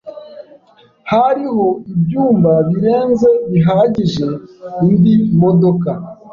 Hariho ibyumba birenze bihagije indi modoka.